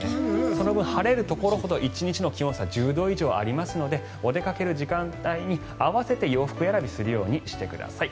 その分、晴れるところほど１日の気温差が１０度以上ありますのでお出かけの時間帯に合わせて洋服選びをするようにしてください。